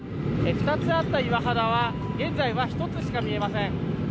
２つあった岩肌は、現在は１つしか見えません。